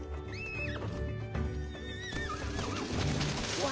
うわ